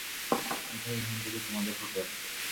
এটা এখন থেকে তোমাদের হোটেল।